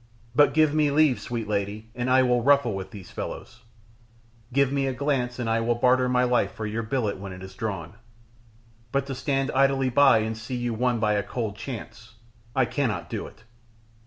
But give me leave, sweet lady, and I will ruffle with these fellows; give me a glance and I will barter my life for your billet when it is drawn, but to stand idly by and see you won by a cold chance, I cannot do it."